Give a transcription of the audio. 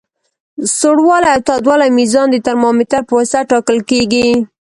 د سوړوالي او تودوالي میزان د ترمامتر پواسطه ټاکل کیږي.